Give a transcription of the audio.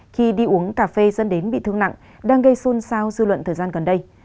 khi đi uống cà phê dân đến bị thương nặng đang gây xôn xao dư luận thời gian gần đây